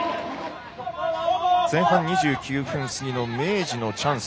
前半２９分過ぎの明治のチャンス。